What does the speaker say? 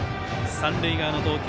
三塁側の投球